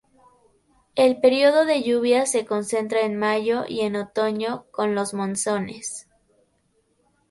El periodo de lluvias se concentra en mayo y en otoño, con los monzones.